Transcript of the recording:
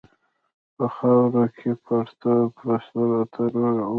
په خاورو کې پرتو بسترو ته ورغی.